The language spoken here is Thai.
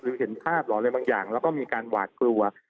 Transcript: เห็นภาพเหรออะไรบางอย่างแล้วก็มีการหวาดกลัว